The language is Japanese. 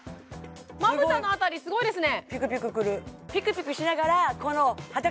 まぶたの辺りすごいですね